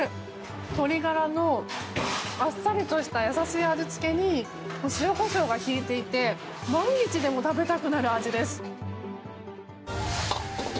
鶏ガラのあっさりとした優しい味付けに塩、コショウが効いていて毎日でも食べたくなる味です。